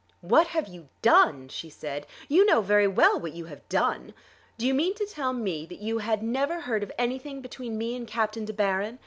"What have you done?" she said. "You know very well what you have done. Do you mean to tell me that you had never heard of anything between me and Captain De Baron?